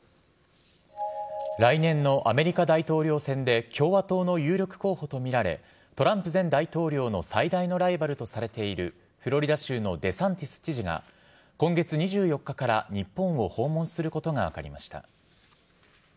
来年のアメリカ大統領選で共和党の有力候補とみられトランプ前大統領の最大のライバルとされているフロリダ州のデサンティス知事が今月２４日から日本を訪問することが分かりました。